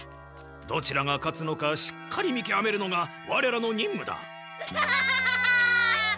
どちらが勝つのかしっかり見きわめるのがわれらの任務だ。